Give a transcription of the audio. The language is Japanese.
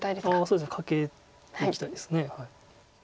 そうですねカケていきたいです。